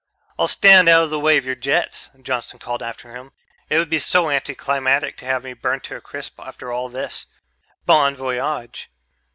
"I'll stand out of the way of your jets!" Johnson called after him. "It would be so anticlimactic to have me burned to a crisp after all this. Bon voyage!"